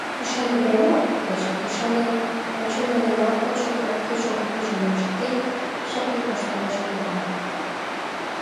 — Ӱшаныде мо, пешак ӱшанем, — ончылно гына кодшо кок кӱшыл пӱйжым ончыктен, шырге воштылеш кува.